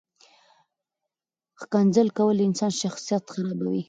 ښکنځل کول د انسان شخصیت خرابوي.